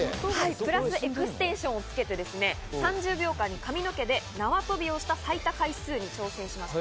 プラスエクステンションをつけて３０秒間に髪の毛で縄跳びをした最多回数に挑戦しました。